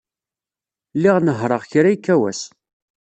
Lliɣ nehhṛeɣ kra yekka wass.